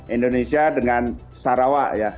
indonesia dengan sarawak ya